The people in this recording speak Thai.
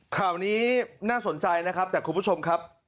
ข่าวนี้น่าสนใจนะครับแต่คุณผู้ชมครับ